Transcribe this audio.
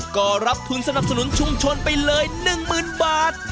ก็รับทุนสนับสนุนชุมชนไปเลย๑๐๐๐บาท